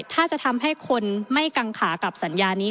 ถ้าจะทำให้คนไม่กังขากับสัญญานี้